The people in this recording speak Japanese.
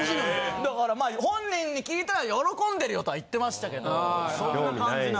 だからまあ本人に聞いたら喜んでるよとは言ってましたけど。